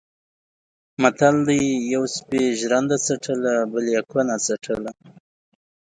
متل دی: یوه سپي ژرنده څټله بل یې کونه څټله.